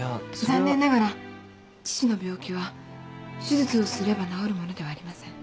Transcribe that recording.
残念ながら父の病気は手術をすれば治るものではありません。